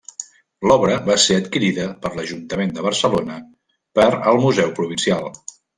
L'obra va ser adquirida per l'Ajuntament de Barcelona per al Museu Provincial.